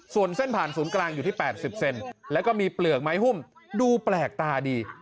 ส่วนเส้นผ่านศูนย์กลางอยู่ที่๘๐เซนแล้วก็มีเปลือกไม้หุ้มดูแปลกตาดี